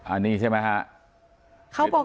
อันนี้ใช่ไหมครับ